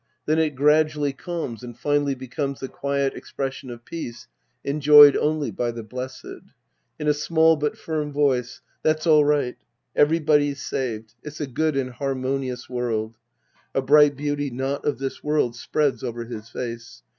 Then it gradually calms and finally becomes the quiet expression of peace enjoyed only by the blessed. In a small but firm voice!) That's all right. Everybody's saved. It's a good and hamionious world. {A bright beauty not of this world spreads over his face.)